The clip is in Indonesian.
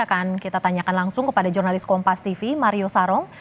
akan kita tanyakan langsung kepada jurnalis kompas tv mario sarong